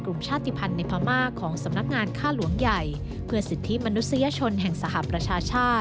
ชาติภัณฑ์ในพม่าของสำนักงานค่าหลวงใหญ่เพื่อสิทธิมนุษยชนแห่งสหประชาชาติ